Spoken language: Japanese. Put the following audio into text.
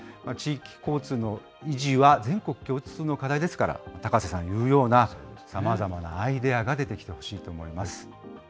地域交通の維持は全国共通の課題ですから、高瀬さんの言うような、さまざまなアイデアが出てきてほしいと思います。